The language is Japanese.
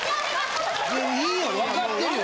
いいよわかってるよ。